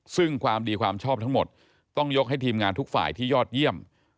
ซึ่งความดีความชอบทั้งหมดต้องยกให้ทีมงานทุกฝ่ายที่ยอดเยี่ยม